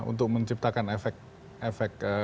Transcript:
untuk menciptakan efek